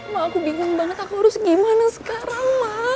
ma aku bingung banget aku harus gimana sekarang ma